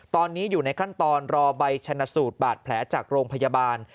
ตอนนี้อยู่ในขั้นตอนรอใบชนะสูตรบาดแผลจากโรงพยาบาล